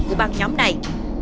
của băng nhóm này